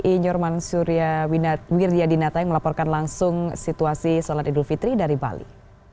inyur mansurya wirjadinata yang melaporkan langsung situasi salat idul fitri dari bali